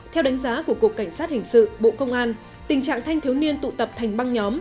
theo đánh giá của cục cảnh sát hình sự bộ công an tình trạng thanh thiếu niên tụ tập thành băng nhóm